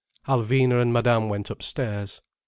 Alvina and Madame went upstairs.